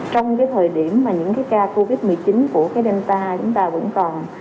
trong thời điểm mà những ca covid một mươi chín của delta chúng ta vẫn còn